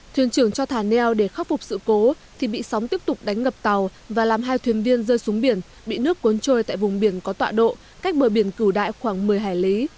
thuyền trưởng cho thả neo để khắc phục sự cố thì bị sóng tiếp tục đánh ngập tàu và làm hai thuyền viên rơi xuống biển bị nước cuốn trôi tại vùng biển có tọa độ cách bờ biển cửa đại khoảng một mươi hải lý